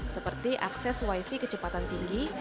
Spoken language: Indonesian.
seperti akses wifi kecepatan tinggi